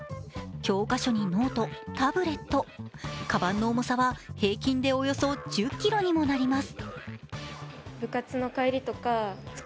教科書にノート、タブレットかばんの重さは平均でおよそ１０ｋｇにもなります。